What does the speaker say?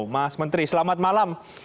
mas menteri selamat malam